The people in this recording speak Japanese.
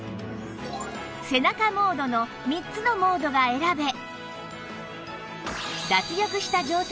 背中モードの３つのモードが選べ